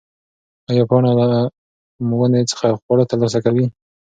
ایا پاڼه له ونې څخه خواړه ترلاسه کوي؟